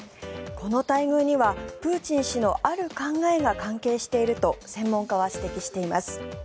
この待遇にはプーチン氏のある考えが関係していると専門家は指摘しています。